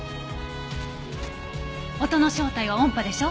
音の正体は音波でしょ。